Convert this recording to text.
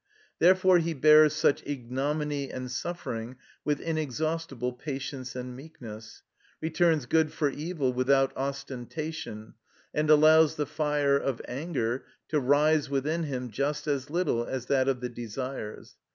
Therefore he bears such ignominy and suffering with inexhaustible patience and meekness, returns good for evil without ostentation, and allows the fire of anger to rise within him just as little as that of the desires.